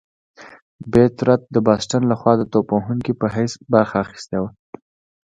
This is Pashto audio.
بېب رت د باسټن لخوا د توپ وهونکي په حیث برخه اخیستې وه.